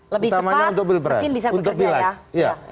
lebih cepat mesin bisa bekerja ya